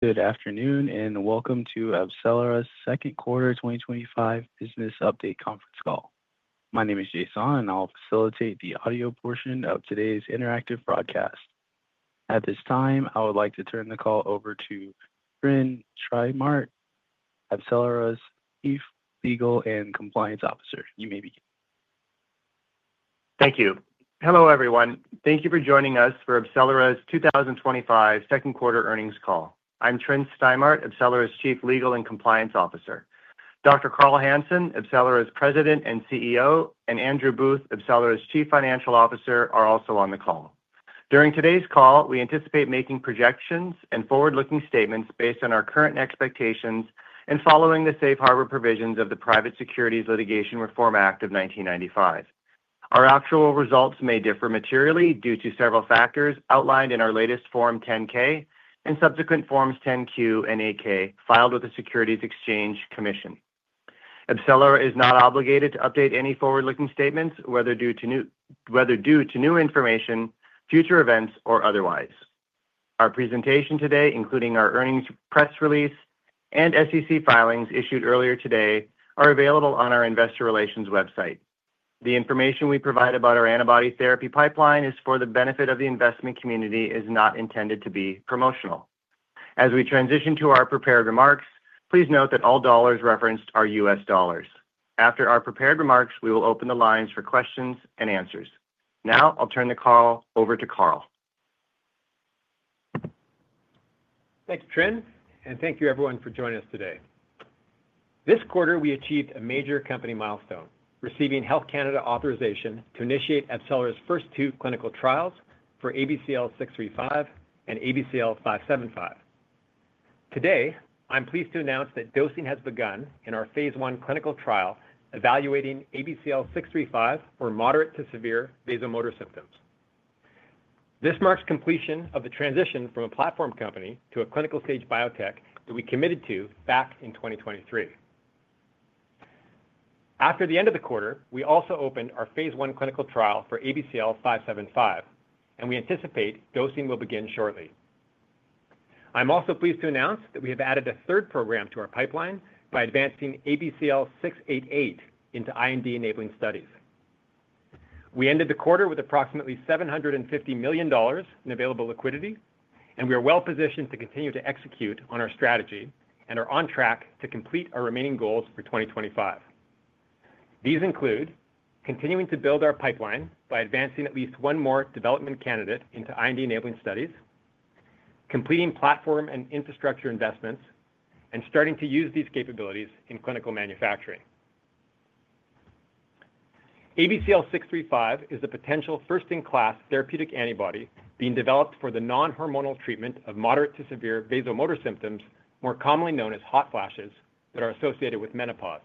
Good afternoon and welcome to AbCellera's Second Quarter 2025 Business Update Conference Call. My name is Jason, and I'll facilitate the audio portion of today's interactive broadcast. At this time, I would like to turn the call over to Tryn Stimart, AbCellera's Chief Legal and Compliance Officer. You may begin. Thank you. Hello everyone. Thank you for joining us for AbCellera's 2025 Second Quarter Earnings Call. I'm Tryn Stimart, AbCellera's Chief Legal and Compliance Officer. Dr. Carl Hansen, AbCellera's President and CEO, and Andrew Booth, AbCellera's Chief Financial Officer, are also on the call. During today's call, we anticipate making projections and forward-looking statements based on our current expectations and following the safe harbor provisions of the Private Securities Litigation Reform Act of 1995. Our actual results may differ materially due to several factors outlined in our latest Form 10-K and subsequent Forms 10-Q and 8-K filed with the Securities Exchange Commission. AbCellera is not obligated to update any forward-looking statements, whether due to new information, future events, or otherwise. Our presentation today, including our earnings press release and SEC filings issued earlier today, are available on our Investor Relations website. The information we provide about our antibody therapy pipeline is for the benefit of the investment community and is not intended to be promotional. As we transition to our prepared remarks, please note that all dollars referenced are US dollars. After our prepared remarks, we will open the lines for questions and answers. Now, I'll turn the call over to Carl. Thanks, Trinh, and thank you everyone for joining us today. This quarter, we achieved a major company milestone, receiving Health Canada authorization to initiate AbCellera's first two clinical trials for ABCL635 and ABCL575. Today, I'm pleased to announce that dosing has begun in our phase I clinical trial evaluating ABCL635 for moderate to severe vasomotor symptoms. This marks completion of the transition from a platform company to a clinical stage biotech that we committed to back in 2023. After the end of the quarter, we also opened our phase I clinical trial for ABCL575, and we anticipate dosing will begin shortly. I'm also pleased to announce that we have added a third program to our pipeline by advancing ABCL688 into IND-enabling studies. We ended the quarter with approximately $750 million in available liquidity, and we are well positioned to continue to execute on our strategy and are on track to complete our remaining goals for 2025. These include continuing to build our pipeline by advancing at least one more development candidate into IND-enabling studies, completing platform and infrastructure investments, and starting to use these capabilities in clinical manufacturing. ABCL635 is the potential first-in-class therapeutic antibody being developed for the non-hormonal treatment of moderate to severe vasomotor symptoms, more commonly known as hot flashes, that are associated with menopause.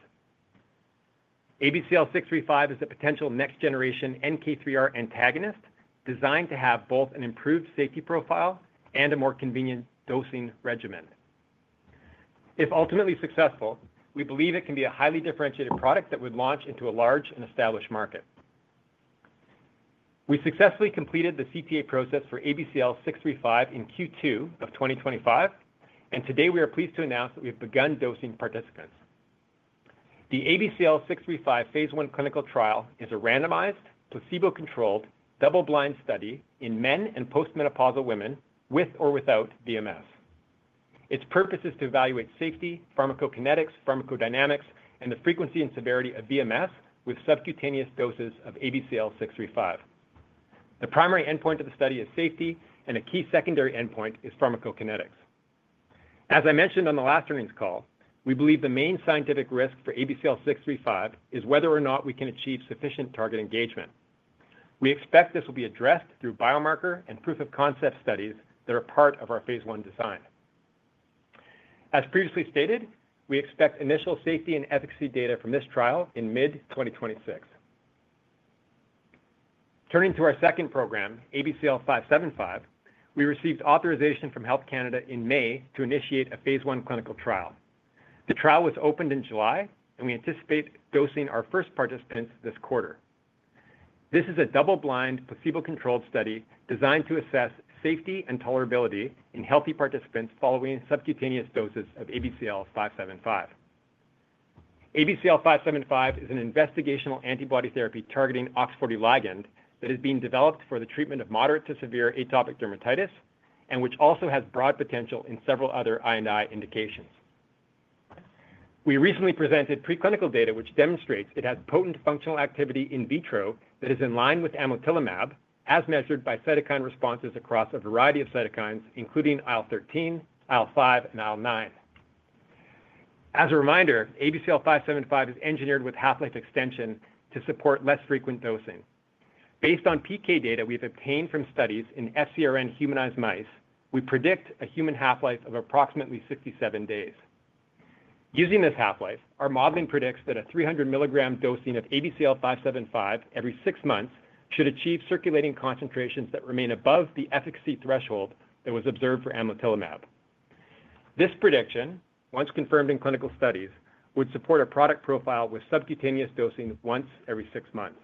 ABCL635 is the potential next-generation NK3R antagonist designed to have both an improved safety profile and a more convenient dosing regimen. If ultimately successful, we believe it can be a highly differentiated product that would launch into a large and established market. We successfully completed the CTA process for ABCL635 in Q2 of 2025, and today we are pleased to announce that we have begun dosing participants. The ABCL635 phase I clinical trial is a randomized, placebo-controlled, double-blind study in men and postmenopausal women with or without VMS. Its purpose is to evaluate safety, pharmacokinetics, pharmacodynamics, and the frequency and severity of VMS with subcutaneous doses of ABCL635. The primary endpoint of the study is safety, and a key secondary endpoint is pharmacokinetics. As I mentioned on the last earnings call, we believe the main scientific risk for ABCL635 is whether or not we can achieve sufficient target engagement. We expect this will be addressed through biomarker and proof-of-concept studies that are part of our phase I design. As previously stated, we expect initial safety and efficacy data from this trial in mid-2026. Turning to our second program, ABCL575, we received authorization from Health Canada in May to initiate a phase I clinical trial. The trial was opened in July, and we anticipate dosing our first participants this quarter. This is a double-blind, placebo-controlled study designed to assess safety and tolerability in healthy participants following subcutaneous doses of ABCL575. ABCL575 is an investigational antibody therapy targeting OX40 ligand that is being developed for the treatment of moderate to severe atopic dermatitis, and which also has broad potential in several other I&I indications. We recently presented preclinical data which demonstrates it has potent functional activity in vitro that is in line with amlotilumab, as measured by cytokine responses across a variety of cytokines, including IL-13, IL-5, and IL-9. As a reminder, ABCL575 is engineered with half-life extension to support less frequent dosing. Based on PK data we've obtained from studies in FcRn humanized mice, we predict a human half-life of approximately 67 days. Using this half-life, our modeling predicts that a 300 mg dosing of ABCL575 every six months should achieve circulating concentrations that remain above the efficacy threshold that was observed for amlotilumab. This prediction, once confirmed in clinical studies, would support a product profile with subcutaneous dosing once every six months.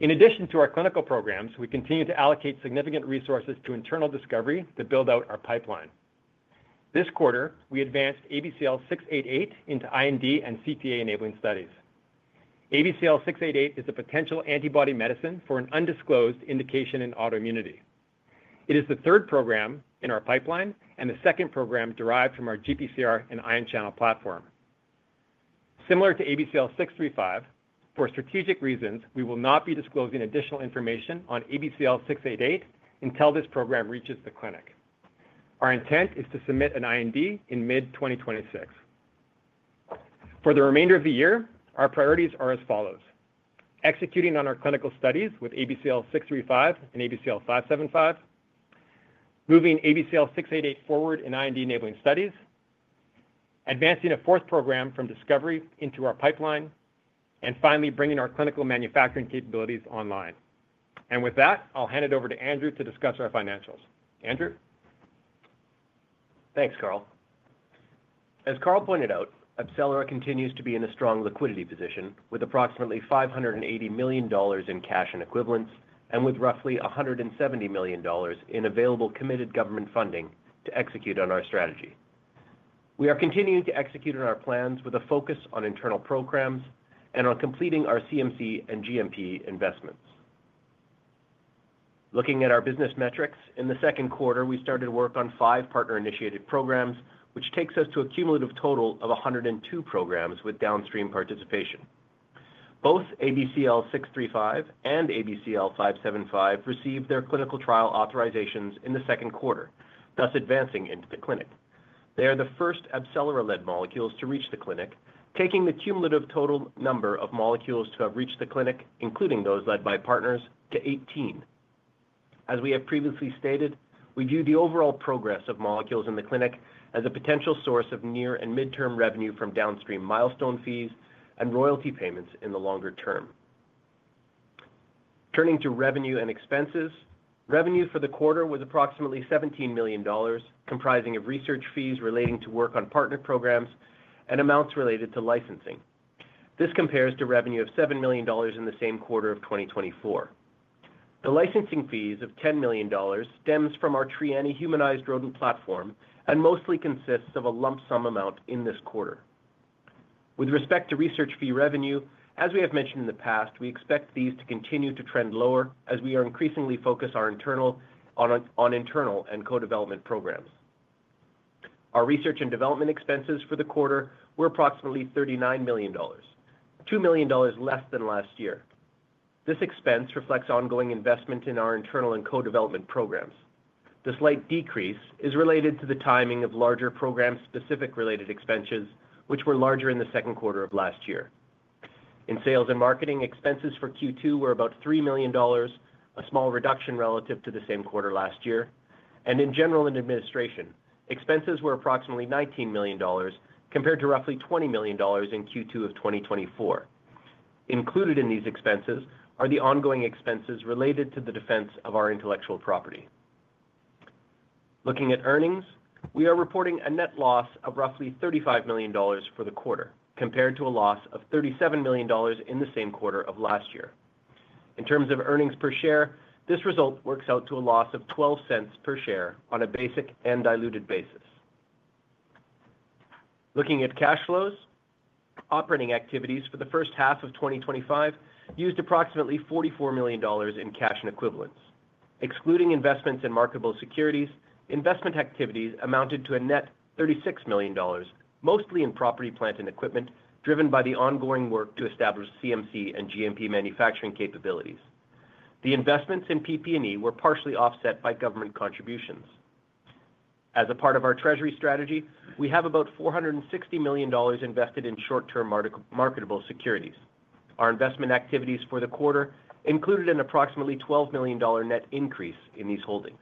In addition to our clinical programs, we continue to allocate significant resources to internal discovery to build out our pipeline. This quarter, we advanced ABCL688 into IND and CTA enabling studies. ABCL688 is a potential antibody medicine for an undisclosed indication in autoimmunity. It is the third program in our pipeline and the second program derived from our GPCR and ion channel platform. Similar to ABCL635, for strategic reasons, we will not be disclosing additional information on ABCL688 until this program reaches the clinic. Our intent is to submit an IND in mid-2026. For the remainder of the year, our priorities are as follows: executing on our clinical studies with ABCL635 and ABCL575, moving ABCL688 forward in IND enabling studies, advancing a fourth program from discovery into our pipeline, and finally bringing our clinical manufacturing capabilities online. I'll hand it over to Andrew to discuss our financials. Thanks, Carl. As Carl pointed out, AbCellera continues to be in a strong liquidity position with approximately $580 million in cash and equivalents and with roughly $170 million in available committed government funding to execute on our strategy. We are continuing to execute on our plans with a focus on internal programs and on completing our CMC and GMP investments. Looking at our business metrics, in the second quarter, we started work on five partner-initiated programs, which takes us to a cumulative total of 102 programs with downstream participation. Both ABCL635 and ABCL575 received their clinical trial authorizations in the second quarter, thus advancing into the clinic. They are the first AbCellera led molecules to reach the clinic, taking the cumulative total number of molecules to have reached the clinic, including those led by partners, to 18. As we have previously stated, we view the overall progress of molecules in the clinic as a potential source of near and mid-term revenue from downstream milestone fees and royalty payments in the longer term. Turning to revenue and expenses, revenue for the quarter was approximately $17 million, comprising research fees relating to work on partner programs and amounts related to licensing. This compares to revenue of $7 million in the same quarter of 2024. The licensing fees of $10 million stem from our Trianni humanized rodent platform and mostly consist of a lump sum amount in this quarter. With respect to research fee revenue, as we have mentioned in the past, we expect these to continue to trend lower as we are increasingly focused on internal and co-development programs. Our research and development expenses for the quarter were approximately $39 million, $2 million less than last year. This expense reflects ongoing investment in our internal and co-development programs. The slight decrease is related to the timing of larger program-specific related expenses, which were larger in the second quarter of last year. In sales and marketing, expenses for Q2 were about $3 million, a small reduction relative to the same quarter last year, and in general and administration, expenses were approximately $19 million compared to roughly $20 million in Q2 of 2024. Included in these expenses are the ongoing expenses related to the defense of our intellectual property. Looking at earnings, we are reporting a net loss of roughly $35 million for the quarter, compared to a loss of $37 million in the same quarter of last year. In terms of earnings per share, this result works out to a loss of $0.12 per share on a basic and diluted basis. Looking at cash flows, operating activities for the first half of 2025 used approximately $44 million in cash and equivalents. Excluding investments in marketable securities, investment activities amounted to a net $36 million, mostly in property, plant, and equipment, driven by the ongoing work to establish CMC and GMP manufacturing capabilities. The investments in PP&E were partially offset by government contributions. As a part of our treasury strategy, we have about $460 million invested in short-term marketable securities. Our investment activities for the quarter included an approximately $12 million net increase in these holdings.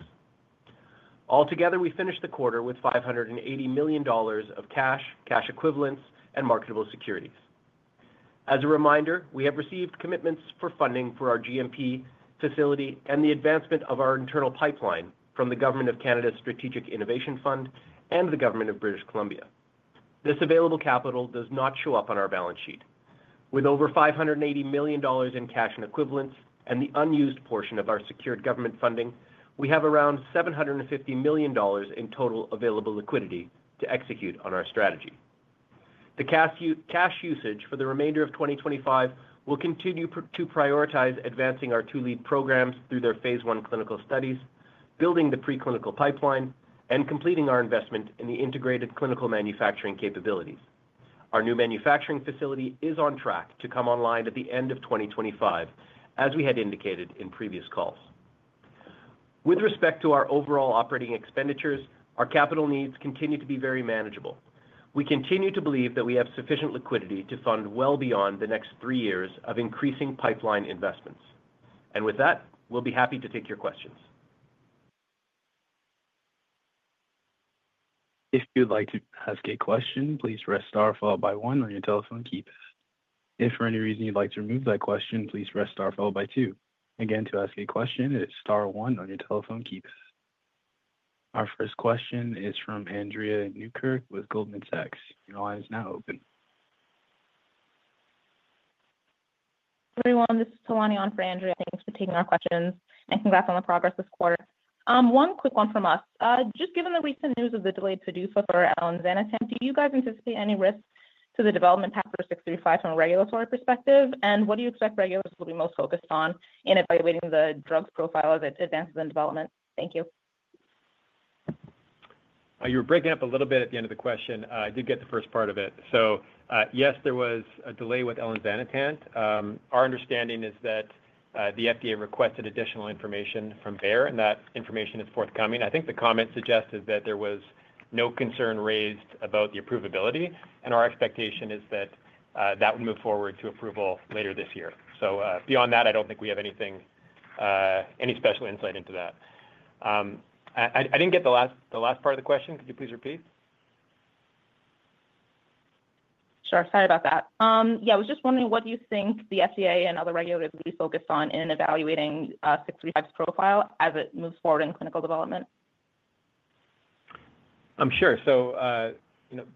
Altogether, we finished the quarter with $580 million of cash, cash equivalents, and marketable securities. As a reminder, we have received commitments for funding for our GMP facility and the advancement of our internal pipeline from the Government of Canada's Strategic Innovation Fund and the Government of British Columbia. This available capital does not show up on our balance sheet. With over $580 million in cash and equivalents and the unused portion of our secured government funding, we have around $750 million in total available liquidity to execute on our strategy. The cash usage for the remainder of 2025 will continue to prioritize advancing our two lead programs through their phase I clinical studies, building the preclinical pipeline, and completing our investment in the integrated clinical manufacturing capabilities. Our new manufacturing facility is on track to come online at the end of 2025, as we had indicated in previous calls. With respect to our overall operating expenditures, our capital needs continue to be very manageable. We continue to believe that we have sufficient liquidity to fund well beyond the next three years of increasing pipeline investments. We will be happy to take your questions. If you'd like to ask a question, please press star followed by one on your telephone keypad. If for any reason you'd like to remove that question, please press star followed by two. Again, to ask a question, it is star one on your telephone keypad. Our first question is from Andrea Newkirk with Goldman Sachs. The line is now open. Hello, everyone. This is Tawani on for Andrea. Thanks for taking our questions and congrats on the progress this quarter. One quick one from us. Just given the recent news of the delay to-do for elanzanitan, do you guys anticipate any risk to the development path for 635 from a regulatory perspective? What do you expect regulators will be most focused on in evaluating the drug's profile as it advances in development? Thank you. You were breaking up a little bit at the end of the question. I did get the first part of it. Yes, there was a delay with elanzanitan. Our understanding is that the FDA requested additional information from there, and that information is forthcoming. I think the comment suggested that there was no concern raised about the approvability, and our expectation is that that would move forward to approval later this year. Beyond that, I don't think we have anything, any special insight into that. I didn't get the last part of the question. Could you please repeat? Sure. I was just wondering what do you think the FDA and other regulators will be focused on in evaluating ABCL635's profile as it moves forward in clinical development? Sure.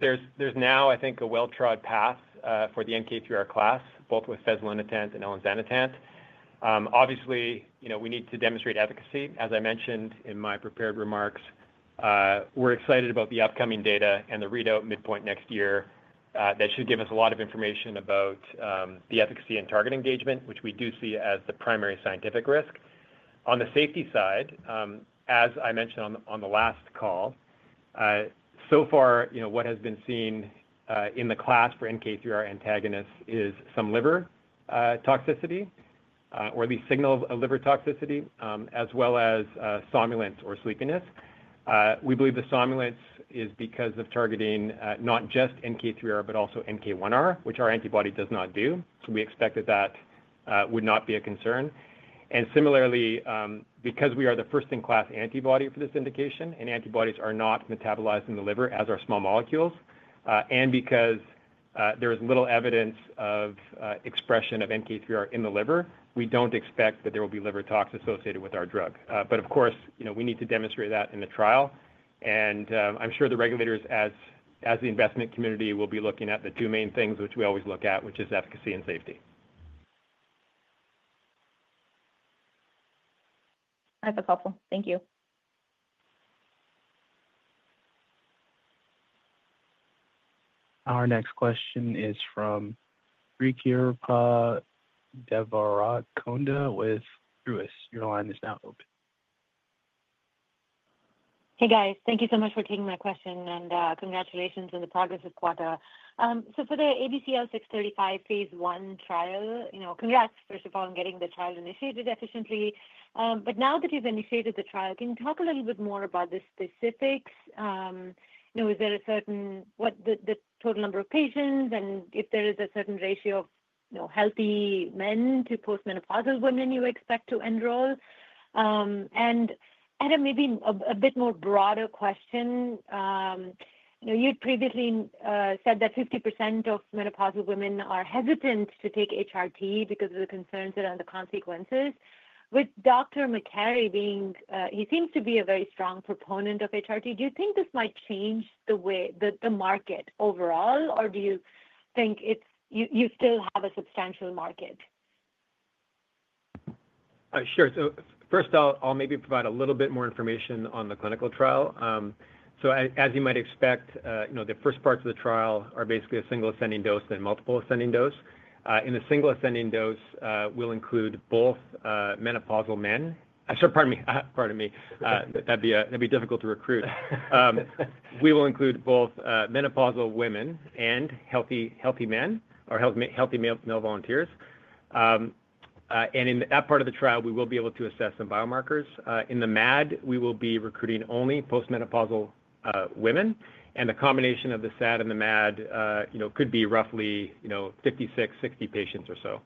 There's now, I think, a well-trod path for the NK3R class, both with fezolinetant and elinzanetant. Obviously, we need to demonstrate efficacy. As I mentioned in my prepared remarks, we're excited about the upcoming data and the readout midpoint next year that should give us a lot of information about the efficacy and target engagement, which we do see as the primary scientific risk. On the safety side, as I mentioned on the last call, so far, what has been seen in the class for NK3R antagonists is some liver toxicity, or at least signal of a liver toxicity, as well as somnolence or sleepiness. We believe the somnolence is because of targeting not just NK3R, but also NK1R, which our antibody does not do. We expected that would not be a concern. Similarly, because we are the first-in-class antibody for this indication and antibodies are not metabolized in the liver as are small molecules, and because there is little evidence of expression of NK3R in the liver, we don't expect that there will be liver toxicity associated with our drug. Of course, we need to demonstrate that in the trial. I'm sure the regulators, as the investment community, will be looking at the two main things, which we always look at, which is efficacy and safety. That's helpful. Thank you. Our next question is from Srikripa Devaratkonda with Truist. Your line is now open. Hey, guys. Thank you so much for taking my question and congratulations on the progress this quarter. For the ABCL635 phase I trial, congrats, first of all, on getting the trial initiated efficiently. Now that you've initiated the trial, can you talk a little bit more about the specifics? Is there a certain total number of patients, and is there a certain ratio of healthy men to postmenopausal women you expect to enroll? Maybe a bit more broadly, you had previously said that 50% of menopausal women are hesitant to take HRT because of the concerns around the consequences. With Dr. McCarray being, he seems to be a very strong proponent of HRT. Do you think this might change the way the market overall, or do you think you still have a substantial market? Sure. First, I'll maybe provide a little bit more information on the clinical trial. As you might expect, the first parts of the trial are basically a single ascending dose and multiple ascending dose. In the single ascending dose, we'll include both menopausal women and healthy men or healthy male volunteers. In that part of the trial, we will be able to assess some biomarkers. In the MAD, we will be recruiting only postmenopausal women, and the combination of the SAD and the MAD could be roughly 56, 60 patients or so.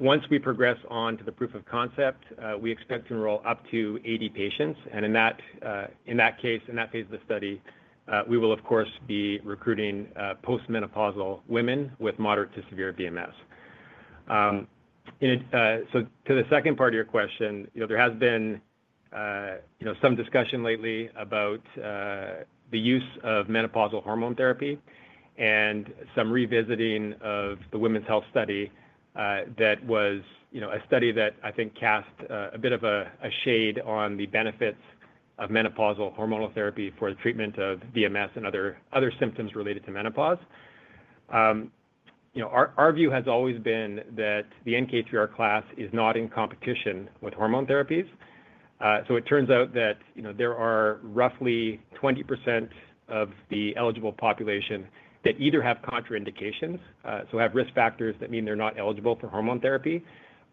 Once we progress on to the proof of concept, we expect to enroll up to 80 patients. In that phase of the study, we will, of course, be recruiting postmenopausal women with moderate to severe VMS. To the second part of your question, there has been some discussion lately about the use of menopausal hormone therapy and some revisiting of the Women's Health Study that was a study that I think cast a bit of a shade on the benefits of menopausal hormonal therapy for the treatment of VMS and other symptoms related to menopause. Our view has always been that the NK3R class is not in competition with hormone therapies. It turns out that there are roughly 20% of the eligible population that either have contraindications, so have risk factors that mean they're not eligible for hormone therapy,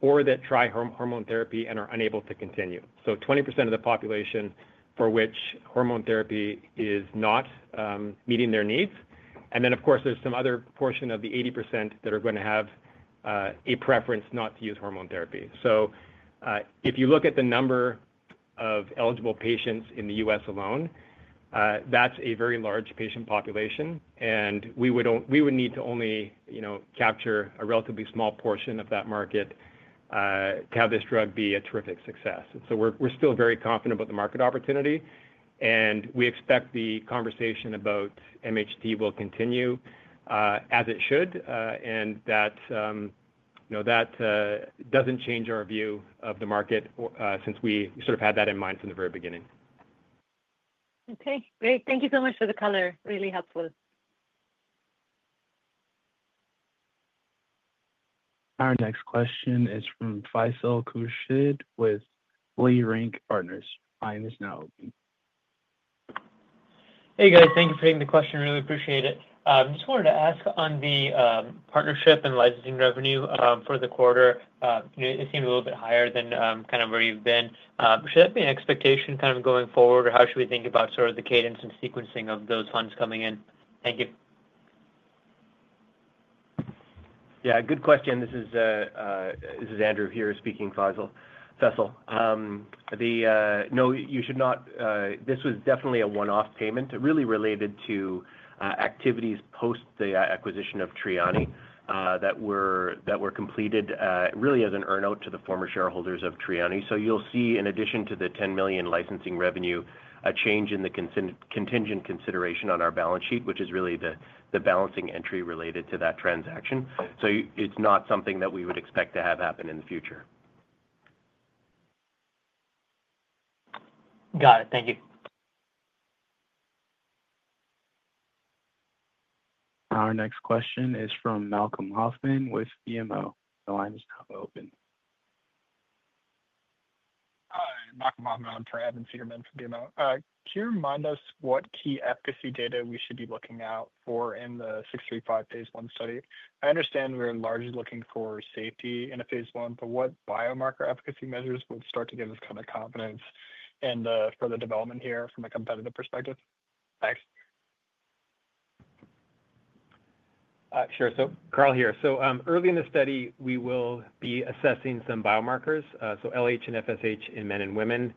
or that try hormone therapy and are unable to continue. 20% of the population for which hormone therapy is not meeting their needs. Of course, there's some other portion of the 80% that are going to have a preference not to use hormone therapy. If you look at the number of eligible patients in the U.S. alone, that's a very large patient population. We would need to only capture a relatively small portion of that market to have this drug be a terrific success. We're still very confident about the market opportunity. We expect the conversation about MHT will continue as it should. That doesn't change our view of the market since we sort of had that in mind from the very beginning. Okay, great. Thank you so much for the color. Really helpful. Our next question is from Faisal Khurshid with Leerink Partners. The line is now open. Hey, guys. Thank you for hitting the question. Really appreciate it. I just wanted to ask on the partnership and licensing revenue for the quarter. It seemed a little bit higher than kind of where you've been. Should that be an expectation going forward, or how should we think about the cadence and sequencing of those funds coming in? Yeah, good question. This is Andrew here speaking, Faisal. No, you should not. This was definitely a one-off payment really related to activities post the acquisition of Trianni that were completed really as an earnout to the former shareholders of Trianni. You'll see, in addition to the $10 million licensing revenue, a change in the contingent consideration on our balance sheet, which is really the balancing entry related to that transaction. It's not something that we would expect to have happen in the future. Got it. Thank you. Our next question is from Malcolm Hoffman with BMO. The line is now open. Hi, Malcolm Hoffman. I'm for Evan Seigerman from BMO. Can you remind us what key efficacy data we should be looking out for in the 635 phase I study? I understand we're largely looking for safety in a phase I, but what biomarker efficacy measures would start to give us kind of confidence in the further development here from a competitive perspective? Thanks. Sure. Carl here. Early in the study, we will be assessing some biomarkers, LH and FSH in men and women.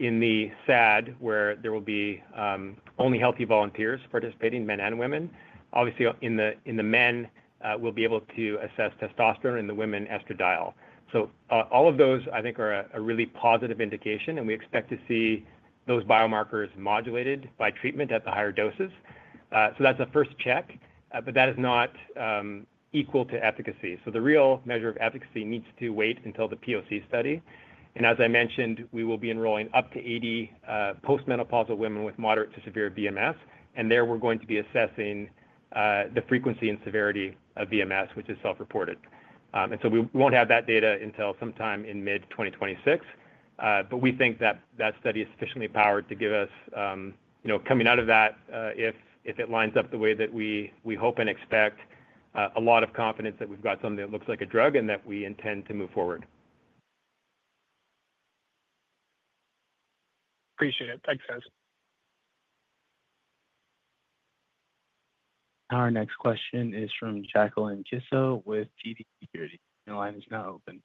In the SAD, where there will be only healthy volunteers participating, men and women, obviously in the men, we'll be able to assess testosterone; in the women, estradiol. All of those, I think, are a really positive indication, and we expect to see those biomarkers modulated by treatment at the higher doses. That's a first check, but that is not equal to efficacy. The real measure of efficacy needs to wait until the POC study. As I mentioned, we will be enrolling up to 80 postmenopausal women with moderate to severe VMS. There, we're going to be assessing the frequency and severity of VMS, which is self-reported. We won't have that data until sometime in mid-2026. We think that that study is sufficiently powered to give us, you know, coming out of that, if it lines up the way that we hope and expect, a lot of confidence that we've got something that looks like a drug and that we intend to move forward. Appreciate it. Thanks, guys. Our next question is from Jacqueline Gisso with TD Securities. The line is now open.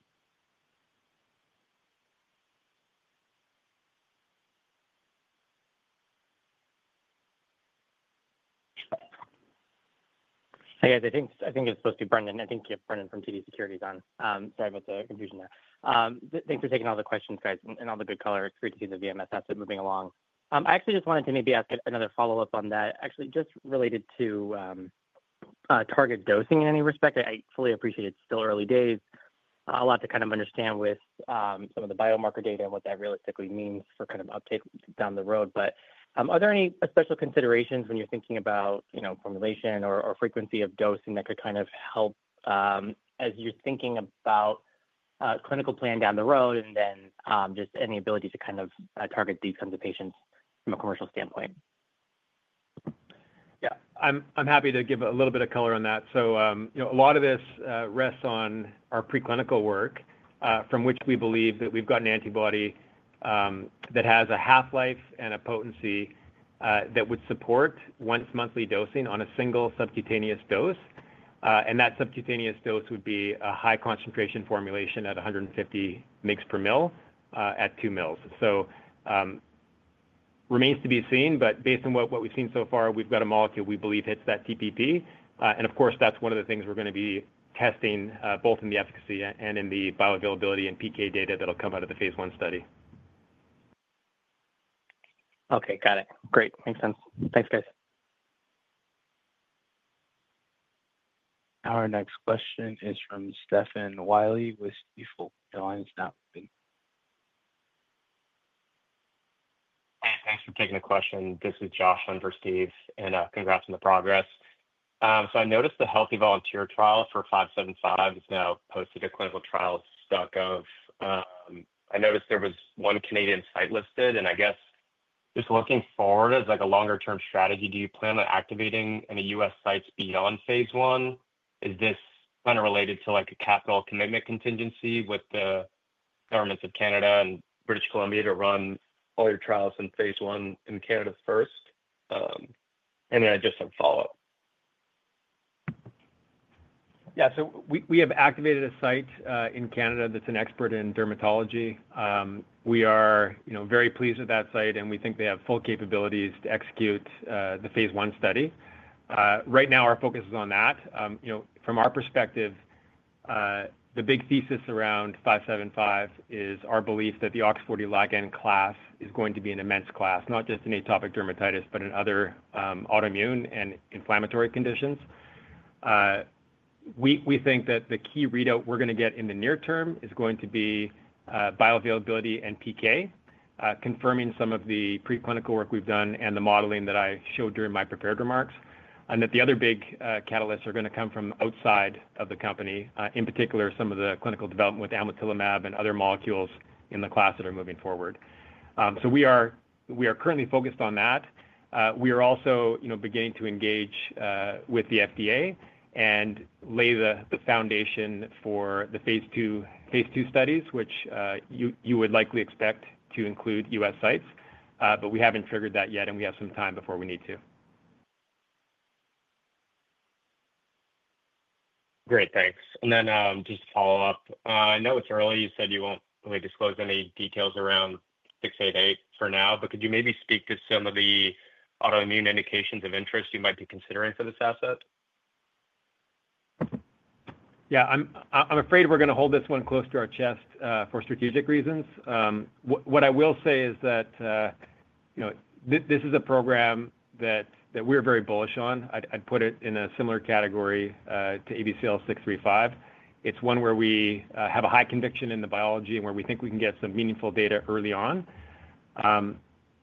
Hi, guys. I think it was supposed to be Brendan. I think you have Brendan from TD Security on. Sorry about the confusion there. Thanks for taking all the questions, guys, and all the good color. It's great to see the VMS asset moving along. I actually just wanted to maybe ask another follow-up on that, actually, just related to target dosing in any respect. I fully appreciate it's still early days. A lot to kind of understand with some of the biomarker data and what that realistically means for kind of uptake down the road. Are there any special considerations when you're thinking about formulation or frequency of dosing that could kind of help as you're thinking about clinical plan down the road and then just any ability to kind of target these kinds of patients from a commercial standpoint? I'm happy to give a little bit of color on that. A lot of this rests on our preclinical work, from which we believe that we've got an antibody that has a half-life and a potency that would support once monthly dosing on a single subcutaneous dose. That subcutaneous dose would be a high concentration formulation at 150 mg/mL at 2 mL. It remains to be seen, but based on what we've seen so far, we've got a molecule we believe hits that TPP. Of course, that's one of the things we're going to be testing both in the efficacy and in the bioavailability and PK data that'll come out of the phase I study. Okay, got it. Great. Makes sense. Thanks, guys. Our next question is from Stephan Wiley with Stifel. The line is now open. Hi, thanks for taking the question. This is Josh from [Stephen] and congrats on the progress. I noticed the healthy volunteer trial for ABCL575 is now posted to clinicaltrials.gov. I noticed there was one Canadian site listed. I guess just looking forward as a longer-term strategy, do you plan on activating any U.S. sites beyond phase I? Is this kind of related to a capital commitment contingency with the governments of Canada and British Columbia to run all your trials in phase I in Canada first? I just have a follow-up. Yeah, we have activated a site in Canada that's an expert in dermatology. We are very pleased with that site, and we think they have full capabilities to execute the phase I study. Right now, our focus is on that. You know, from our perspective, the big thesis around 575 is our belief that the OX40 ligand class is going to be an immense class, not just in atopic dermatitis, but in other autoimmune and inflammatory conditions. We think that the key readout we're going to get in the near term is going to be bioavailability and PK, confirming some of the preclinical work we've done and the modeling that I showed during my prepared remarks. The other big catalysts are going to come from outside of the company, in particular, some of the clinical development with amlotilumab and other molecules in the class that are moving forward. We are currently focused on that. We are also beginning to engage with the FDA and lay the foundation for the phase II studies, which you would likely expect to include U.S. sites. We haven't triggered that yet, and we have some time before we need to. Great, thanks. Just a follow-up. I know it's early. You said you won't really disclose any details around 688 for now, but could you maybe speak to some of the autoimmune indications of interest you might be considering for this asset? Yeah, I'm afraid we're going to hold this one close to our chest for strategic reasons. What I will say is that this is a program that we're very bullish on. I'd put it in a similar category to ABCL635. It's one where we have a high conviction in the biology and where we think we can get some meaningful data early on.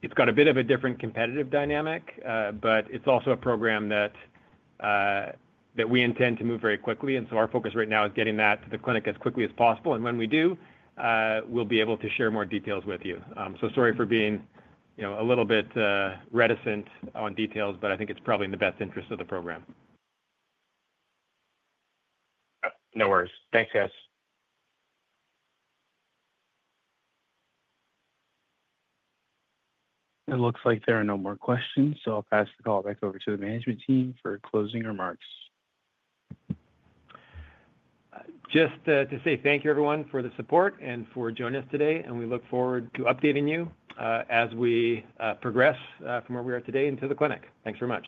It's got a bit of a different competitive dynamic, but it's also a program that we intend to move very quickly. Our focus right now is getting that to the clinic as quickly as possible. When we do, we'll be able to share more details with you. Sorry for being a little bit reticent on details, but I think it's probably in the best interest of the program. No worries. Thanks, guys. It looks like there are no more questions, so I'll pass the call back over to the management team for closing remarks. Just to say thank you, everyone, for the support and for joining us today. We look forward to updating you as we progress from where we are today into the clinic. Thanks very much.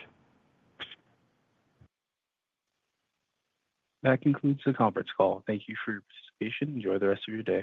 That concludes the conference call. Thank you for your participation. Enjoy the rest of your day.